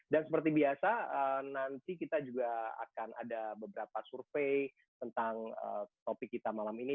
dan seperti biasa nanti kita juga akan ada beberapa survei tentang topik kita malam ini